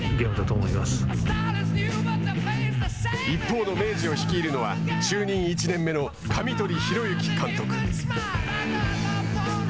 一方の明治を率いるのは就任１年目の神鳥裕之監督。